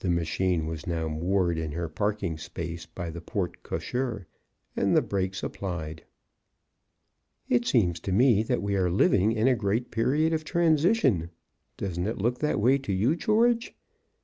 (The machine was now moored in her parking space by the porte cochère, and the brakes applied.) "It seems to me that we are living in a great period of transition; doesn't it look that way to you, George?"